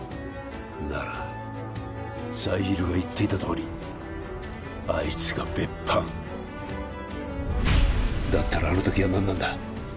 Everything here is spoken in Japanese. ならザイールが言っていたとおりあいつが別班だったらあの時は何なんだ